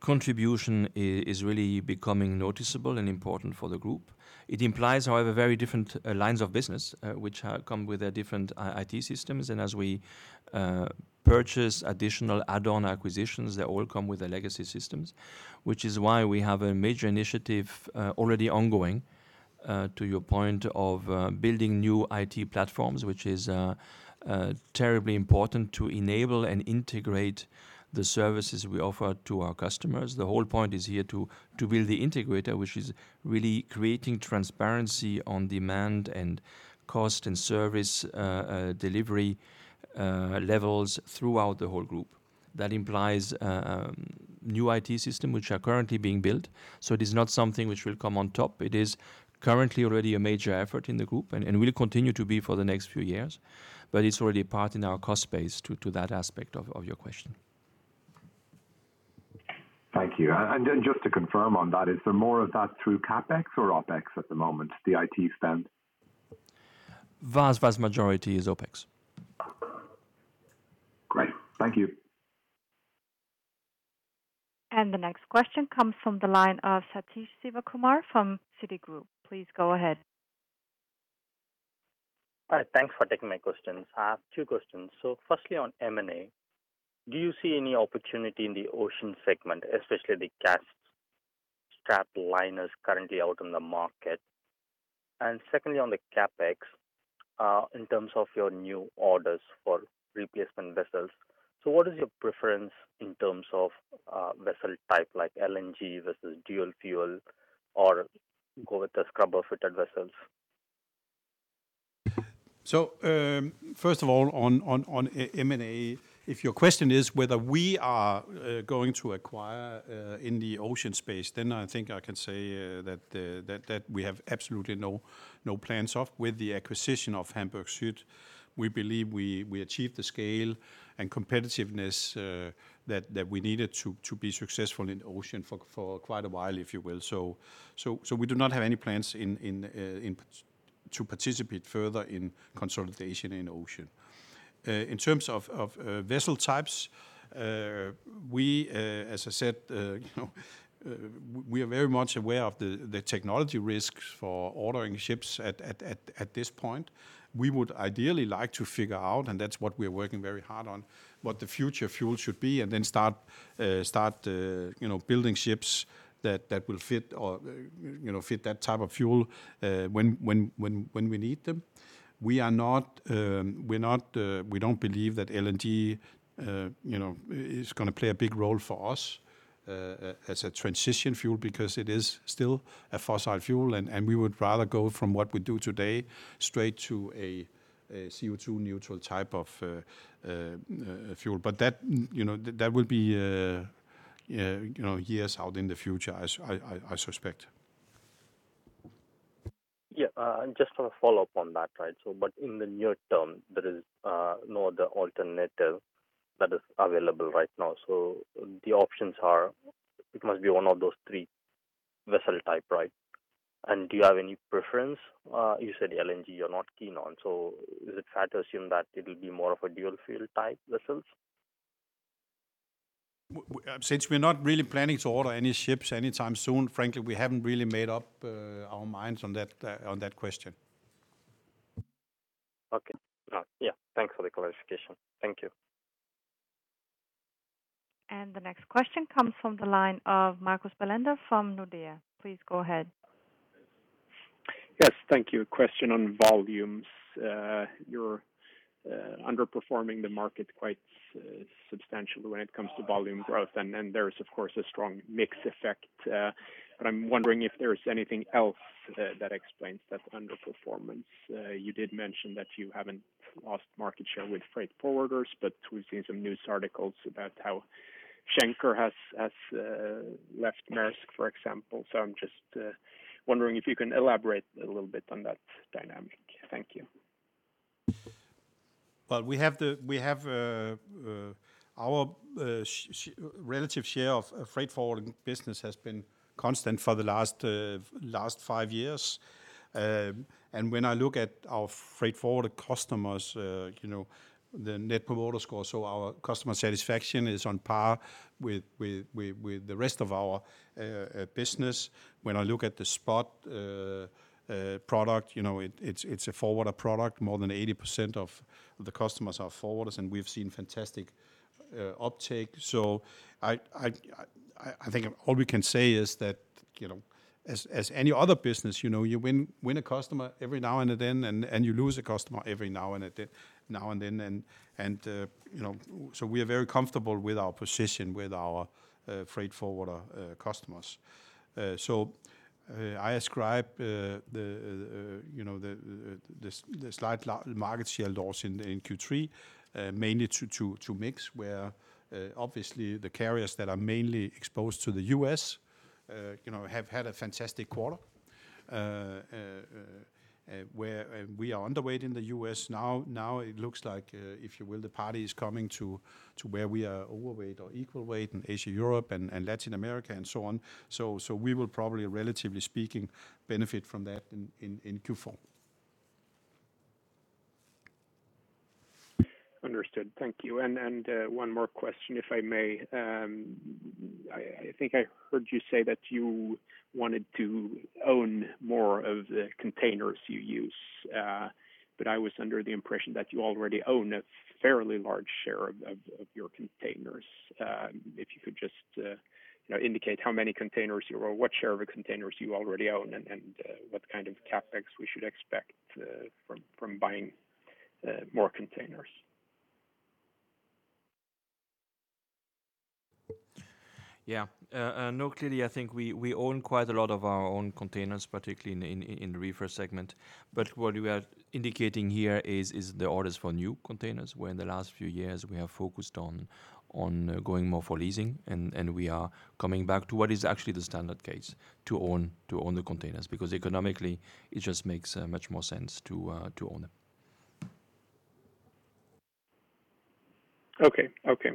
contribution is really becoming noticeable and important for the group. It implies, however, very different lines of business, which come with different IT systems. As we purchase additional add-on acquisitions, they all come with their legacy systems, which is why we have a major initiative already ongoing, to your point, of building new IT platforms, which is terribly important to enable and integrate the services we offer to our customers. The whole point is here to build the integrator, which is really creating transparency on demand and cost and service delivery levels throughout the whole group. That implies new IT systems, which are currently being built. It is not something which will come on top. It is currently already a major effort in the group, and will continue to be for the next few years, but it's already part in our cost base to that aspect of your question. Thank you. Just to confirm on that, is there more of that through CapEx or OpEx at the moment, the IT spend? Vast majority is OpEx. Great. Thank you. The next question comes from the line of Sathish Sivakumar from Citigroup. Please go ahead. Hi. Thanks for taking my questions. I have two questions. firstly, on M&A, do you see any opportunity in the Ocean segment, especially the [cost line items] currently out on the market? Secondly, on the CapEx, in terms of your new orders for replacement vessels, what is your preference in terms of vessel type, like LNG versus dual fuel, or go with the scrubber-fitted vessels? First of all, on M&A, if your question is whether we are going to acquire in the Ocean space, then I think I can say that we have absolutely no plans of. With the acquisition of Hamburg Süd, we believe we achieved the scale and competitiveness that we needed to be successful in Ocean for quite a while, if you will. We do not have any plans to participate further in consolidation in Ocean. In terms of vessel types, as I said, we are very much aware of the technology risks for ordering ships at this point. We would ideally like to figure out, and that's what we're working very hard on, what the future fuel should be and then start building ships that will fit that type of fuel when we need them. We don't believe that LNG is going to play a big role for us as a transition fuel, because it is still a fossil fuel, and we would rather go from what we do today straight to a CO2 neutral type of fuel. That will be years out in the future, I suspect. Yeah. Just for a follow-up on that. In the near term, there is no other alternative that is available right now. The options are, it must be one of those three vessel type, right? Do you have any preference? You said LNG you're not keen on, so is it fair to assume that it'll be more of a dual fuel type vessels? Since we're not really planning to order any ships anytime soon, frankly, we haven't really made up our minds on that question. Okay. Yeah. Thanks for the clarification. Thank you. The next question comes from the line of Marcus Bellinder from Nordea. Please go ahead. Yes. Thank you. Question on volumes. You're underperforming the market quite substantially when it comes to volume growth, and then there's, of course, a strong mix effect. I'm wondering if there is anything else that explains that underperformance. You did mention that you haven't lost market share with freight forwarders, we've seen some news articles about how Schenker has left Maersk, for example. I'm just wondering if you can elaborate a little bit on that dynamic. Thank you. Well, our relative share of freight forwarding business has been constant for the last five years. When I look at our freight forwarder customers, the Net Promoter Score, so our customer satisfaction is on par with the rest of our business. When I look at the Spot product, it's a forwarder product. More than 80% of the customers are forwarders, and we've seen fantastic uptake. I think all we can say is that, as any other business, you win a customer every now and then, and you lose a customer every now and then. We are very comfortable with our position with our freight forwarder customers. I ascribe the slight market share loss in Q3 mainly to mix, where obviously the carriers that are mainly exposed to the U.S. have had a fantastic quarter, where we are underweight in the U.S. now. Now it looks like, if you will, the party is coming to where we are overweight or equal weight in Asia, Europe, and Latin America and so on. We will probably, relatively speaking, benefit from that in Q4. Understood. Thank you. One more question, if I may. I think I heard you say that you wanted to own more of the containers you use. I was under the impression that you already own a fairly large share of your containers. If you could just indicate how many containers you own, what share of the containers you already own, and what kind of CapEx we should expect from buying more containers? Yeah. No, clearly, I think we own quite a lot of our own containers, particularly in the reefer segment. What we are indicating here is the orders for new containers, where in the last few years, we have focused on going more for leasing, and we are coming back to what is actually the standard case, to own the containers, because economically, it just makes much more sense to own them. Okay.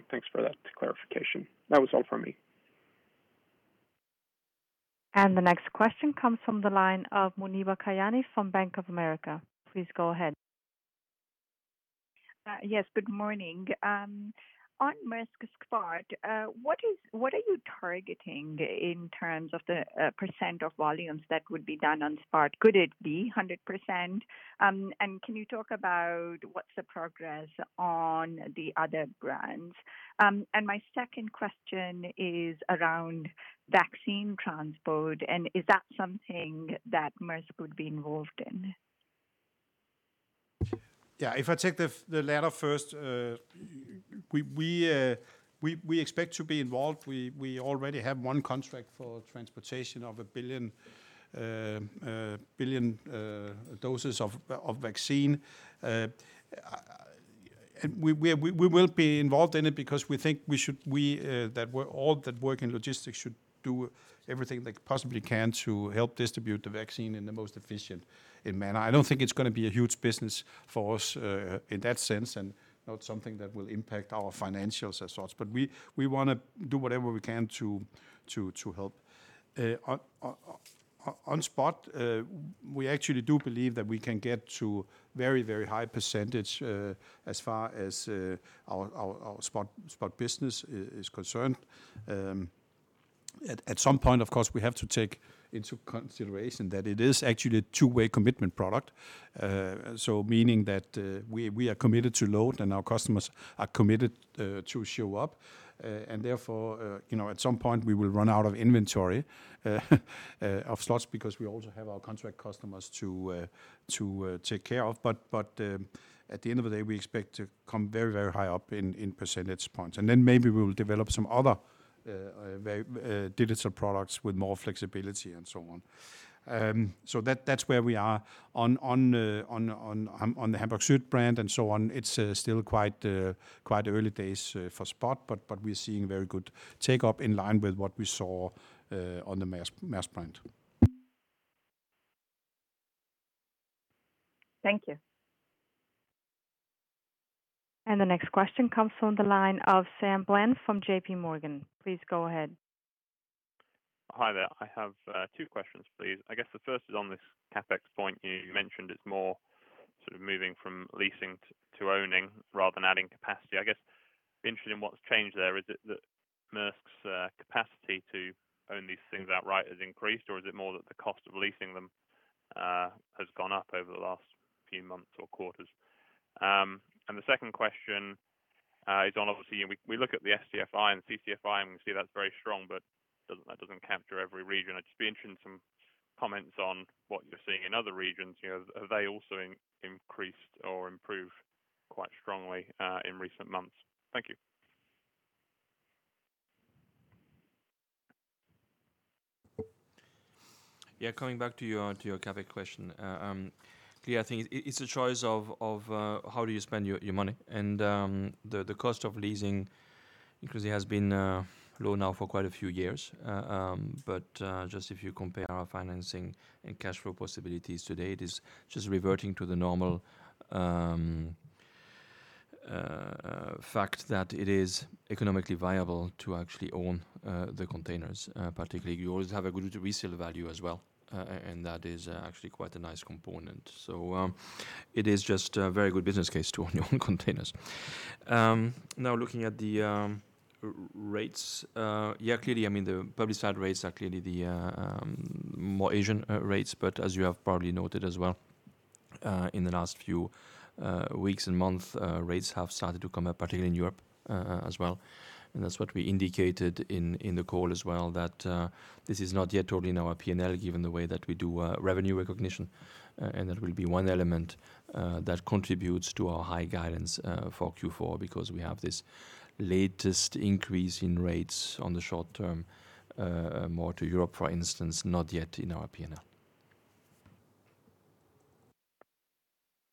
Thanks for that clarification. That was all from me. The next question comes from the line of Muneeba Kayani from Bank of America. Please go ahead. Yes. Good morning. On Maersk Spot, what are you targeting in terms of the percent of volumes that would be done on Spot? Could it be 100%? Can you talk about what's the progress on the other brands? My second question is around vaccine transport, and is that something that Maersk would be involved in? Yeah, if I take the latter first, we expect to be involved. We already have one contract for transportation of a billion doses of vaccine. We will be involved in it because we think that all that work in logistics should do everything they possibly can to help distribute the vaccine in the most efficient manner. I don't think it's going to be a huge business for us in that sense, and not something that will impact our financials as such. We want to do whatever we can to help. On Maersk Spot, we actually do believe that we can get to very high percentage, as far as our Maersk Spot business is concerned. At some point, of course, we have to take into consideration that it is actually a two-way commitment product. Meaning that, we are committed to load and our customers are committed to show up. Therefore, at some point we will run out of inventory of slots because we also have our contract customers to take care of. At the end of the day, we expect to come very high up in percentage points. Maybe we will develop some other digital products with more flexibility, and so on. That's where we are. On the Hamburg Süd brand, and so on, it's still quite early days for Spot, but we're seeing very good take-up in line with what we saw on the Maersk brand. Thank you. The next question comes from the line of Sam Bland from JPMorgan. Please go ahead. Hi there. I have two questions, please. I guess the first is on this CapEx point you mentioned, it's more sort of moving from leasing to owning rather than adding capacity. I guess, interested in what's changed there. Is it that Maersk's capacity to own these things outright has increased, or is it more that the cost of leasing them has gone up over the last few months or quarters? The second question is on, obviously, we look at the SCFI and CCFI, and we see that's very strong, but that doesn't capture every region. I'd just be interested in some comments on what you're seeing in other regions. Have they also increased or improved quite strongly in recent months? Thank you. Yeah, coming back to your CapEx question. Clearly, I think it's a choice of how do you spend your money, and the cost of leasing, because it has been low now for quite a few years. Just if you compare our financing and cash flow possibilities today, it is just reverting to the normal fact that it is economically viable to actually own the containers. Particularly, you always have a good resale value as well, and that is actually quite a nice component. It is just a very good business case to own your own containers. Now looking at the rates. Yeah, clearly, the public side rates are clearly the more Asian rates, but as you have probably noted as well, in the last few weeks and months, rates have started to come up, particularly in Europe as well. That's what we indicated in the call as well, that this is not yet totally in our P&L, given the way that we do revenue recognition. That will be one element that contributes to our high guidance for Q4, because we have this latest increase in rates on the short term, more to Europe, for instance, not yet in our P&L.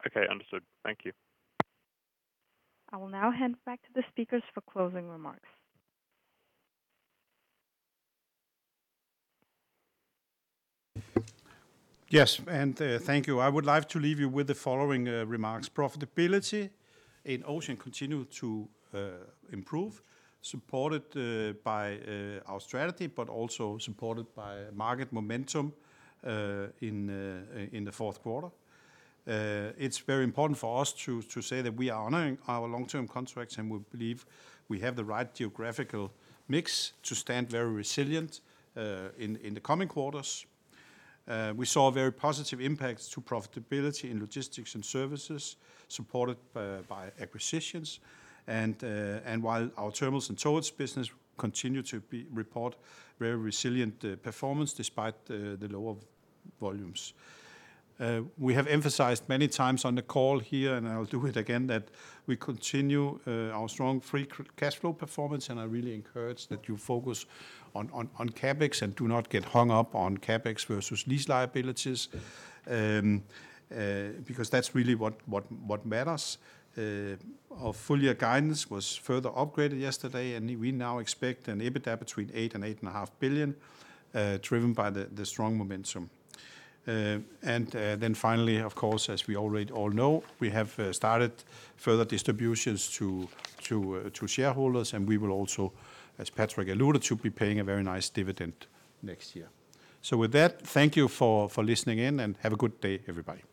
Okay, understood. Thank you. I will now hand back to the speakers for closing remarks. Yes, thank you. I would like to leave you with the following remarks. Profitability in Ocean continued to improve, supported by our strategy, but also supported by market momentum in the fourth quarter. It's very important for us to say that we are honoring our long-term contracts, and we believe we have the right geographical mix to stand very resilient in the coming quarters. We saw very positive impacts to profitability in Logistics & Services, supported by acquisitions. While our terminals and towage business continue to report very resilient performance despite the lower volumes. We have emphasized many times on the call here, and I will do it again, that we continue our strong free cash flow performance, and I really encourage that you focus on CapEx and do not get hung up on CapEx versus lease liabilities. That's really what matters. Our full year guidance was further upgraded yesterday. We now expect an EBITDA between $8 billion and $8.5 billion, driven by the strong momentum. Finally, of course, as we already all know, we have started further distributions to shareholders, and we will also, as Patrick alluded to, be paying a very nice dividend next year. With that, thank you for listening in, and have a good day, everybody.